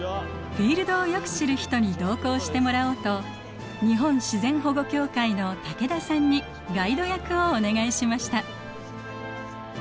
フィールドをよく知る人に同行してもらおうと日本自然保護協会の武田さんにガイド役をお願いしました。